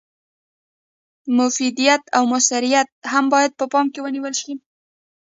مفیدیت او مثمریت هم باید په پام کې ونیول شي.